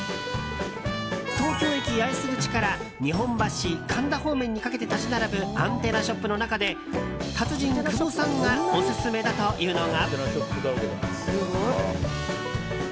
東京駅八重洲口から日本橋神田方面にかけて立ち並ぶアンテナショップの中で達人・久保さんがオススメだというのが。